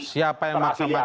siapa yang maksimum